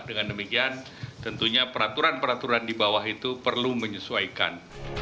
dengan demikian tentunya peraturan peraturan di bawah itu perlu menyesuaikan